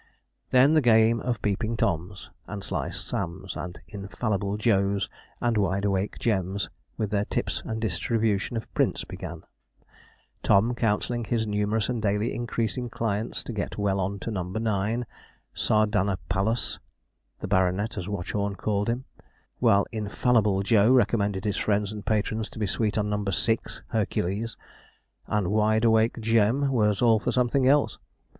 Then the game of the 'Peeping Toms,' and 'Sly Sams,' and 'Infallible Joes,' and 'Wideawake Jems,' with their tips and distribution of prints began; Tom counselling his numerous and daily increasing clients to get well on to No. 9, Sardanapalus (the Bart., as Watchorn called him), while 'Infallible Joe' recommended his friends and patrons to be sweet on No. 6 (Hercules), and 'Wide awake Jem' was all for something else.